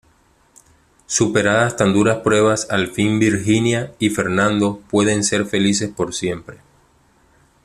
Superadas tan duras pruebas, al fin Virginia y Fernando pueden ser felices por siempre.